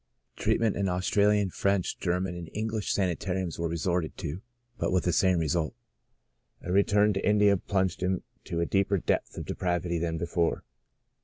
Treatment in Australian, French, German and English sanitariums was resorted to, but with the same result. A return to India plunged him to a deeper depth of de pravity than before.